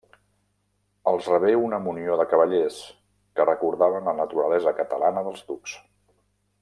Els rebé una munió de cavallers, que recordaven la naturalesa catalana dels ducs.